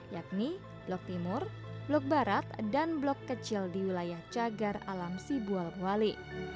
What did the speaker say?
yakni blok timur blok barat dan blok kecil di wilayah cagar alam sibual buali